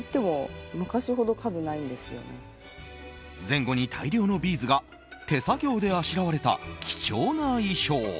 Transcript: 前後に大量のビーズが手作業であしらわれた貴重な衣装。